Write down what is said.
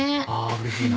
うれしいな。